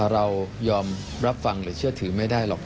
เรายอมรับฟังหรือเชื่อถือไม่ได้หรอก